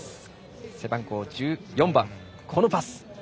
背番号１４番、このパス。